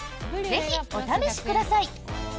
ぜひ、お試しください。